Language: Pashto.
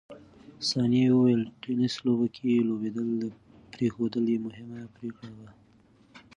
ثانیه وویل، ټېنس لوبو کې لوبېدل پرېښودل یې مهمه پرېکړه وه.